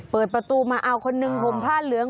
เปิดประตูมาเอาคนหนึ่งห่มผ้าเหลือง